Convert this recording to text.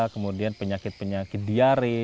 kemudian penyakit penyakit diare